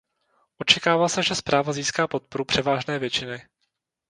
Očekává se, že zpráva získá podporu převážné většiny.